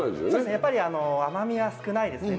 やっぱり甘みは少ないですね。